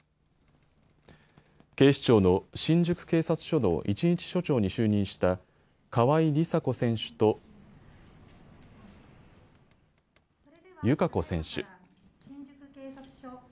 警視庁の新宿警察署の一日署長に就任した川井梨紗子選手と友香子選手。